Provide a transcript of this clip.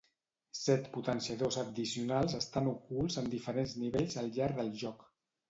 Set potenciadors addicionals estan ocults en diferents nivells al llarg del joc.